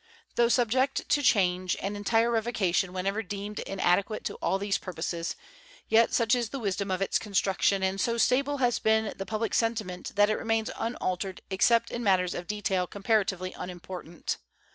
Though subject to change and entire revocation whenever deemed inadequate to all these purposes, yet such is the wisdom of its construction and so stable has been the public sentiment that it remains unaltered except in matters of detail comparatively unimportant.